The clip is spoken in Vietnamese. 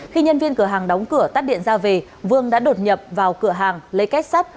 khi nhân viên cửa hàng đóng cửa tắt điện ra về vương đã đột nhập vào cửa hàng lấy kết sắt